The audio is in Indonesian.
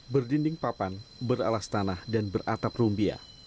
berdinding papan beralas tanah dan beratap rumbia